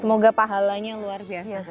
semoga pahalanya luar biasa